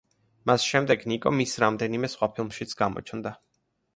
მას შემდეგ ნიკო მის რამდენიმე სხვა ფილმშიც გამოჩნდა.